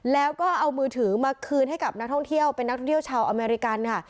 แล้วก็เอามือถือมาคืนให้กับนักท่องเที่ยวเป็นนักท่องเที่ยวชาวอเมริกันค่ะ